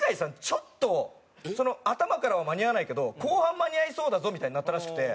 ちょっと頭からは間に合わないけど後半間に合いそうだぞみたいになったらしくて。